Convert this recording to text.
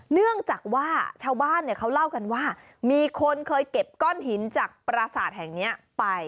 เนื่องจากว่าชาวบ้านเขาเล่ากันว่ามีคนเคยเก็บก้อนหินจากปราศาสตร์แห่งนี้ไป